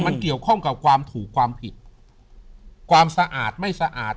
มันเกี่ยวข้องกับความถูกความผิดความสะอาดไม่สะอาด